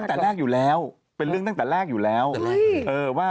ตั้งแต่แรกอยู่แล้วเป็นเรื่องตั้งแต่แรกอยู่แล้วว่า